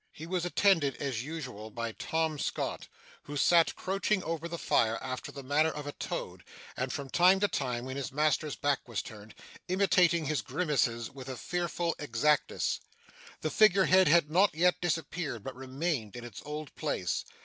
He was attended, as usual, by Tom Scott, who sat crouching over the fire after the manner of a toad, and, from time to time, when his master's back was turned, imitating his grimaces with a fearful exactness. The figure head had not yet disappeared, but remained in its old place.